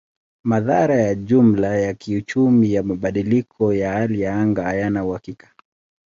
Madhara ya jumla ya kiuchumi ya mabadiliko ya hali ya anga hayana uhakika.